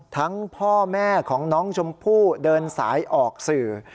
พ่อแม่ของน้องชมพู่เดินสายออกสื่อ